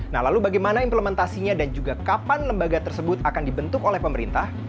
nah lalu bagaimana implementasinya dan juga kapan lembaga tersebut akan dibentuk oleh pemerintah